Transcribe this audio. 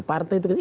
partai itu kecil